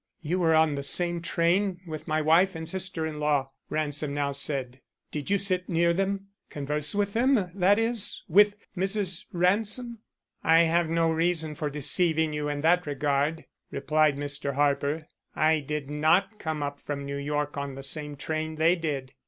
"You were on the same train with my wife and sister in law," Ransom now said. "Did you sit near them? Converse with them, that is, with Mrs. Ransom?" "I have no reason for deceiving you in that regard," replied Mr. Harper. "I did not come up from New York on the same train they did.